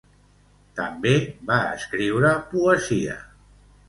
També va escriure poesia.